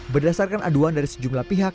berdasarkan aduan dari sejumlah pihak